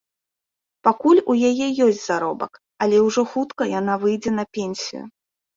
Пакуль у яе ёсць заробак, але ўжо хутка яна выйдзе на пенсію.